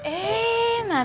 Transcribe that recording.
selamat tinggal mas